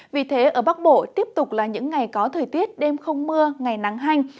vì thế ở bắc bộ tiếp tục là những ngày có thời tiết đêm không mưa ngày nắng hanh